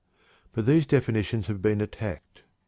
But these definitions have been attacked.